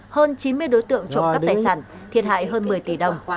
hơn chín mươi đối tượng trộm cắp tài sản thiệt hại hơn một mươi tỷ đồng